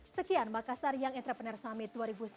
sekian makassar young entrepreneur summit dua ribu sembilan belas